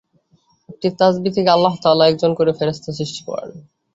প্রতিটি তাসবীহ থেকে আল্লাহ তাআলা একজন করে ফেরেশতা সৃষ্টি করেন।